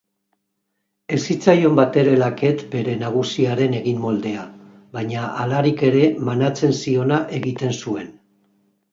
Ez zitzaion batere laket bere nagusiaren eginmoldea, baina halarik ere manatzen ziona egiten zuen.